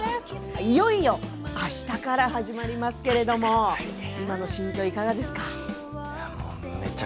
いよいよあしたから始まりますけれども今の心境いかがですか？